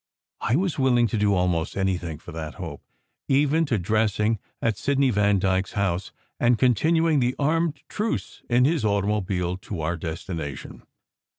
I was willing to do almost anything for that hope, even to dressing at Sidney Vandyke s house, and continuing the armed truce in his automobile to our destination.